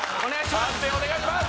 判定お願いします！